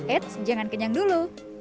eits jangan kenyang dulu